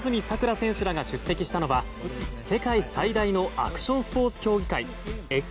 さくら選手らが出席したのは世界最大のアクションスポーツ競技会